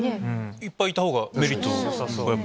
いっぱいいたほうがメリットも。